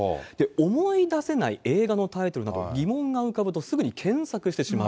思い出せない映画のタイトルなど、疑問が浮かぶとすぐに検索してしまう。